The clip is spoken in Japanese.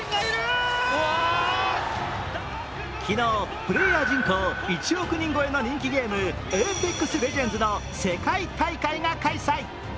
昨日、プレーヤー人口１億人超えの人気ゲーム、ＡｐｅｘＬｅｇｅｎｄｓの世界大会が開催。